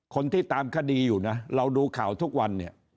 คนที่ตามคดีอยู่นะเราดูข่าวทุกวันเนี่ย